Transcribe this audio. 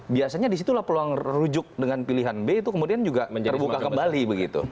biasanya disitulah peluang rujuk dengan pilihan b itu kemudian juga terbuka kembali begitu